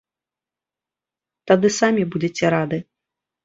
Тады самі будзеце рады.